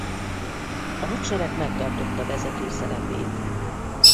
A hadsereg megtartotta vezető szerepét.